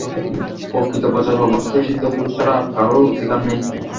প্রকৃত প্রচারে অবশ্য সিদ্ধ পুরুষ ছাড়া আর কারও অধিকার নেই।